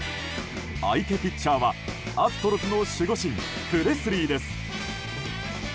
相手ピッチャーはアストロズの守護神プレスリーです。